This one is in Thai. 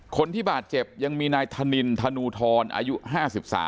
คนที่บาดเจ็บยังมีนายธนินธนูทรอายุ๕๓